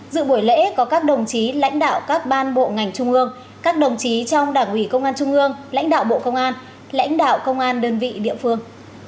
dự buổi lễ có các đồng chí lãnh đạo các ban bộ ngành trung ương các đồng chí trong đảng ủy công an trung ương lãnh đạo bộ công an lãnh đạo công an đơn vị địa phương